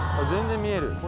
全然見える。